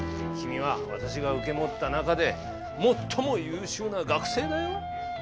君は私が受け持った中で最も優秀な学生だよ。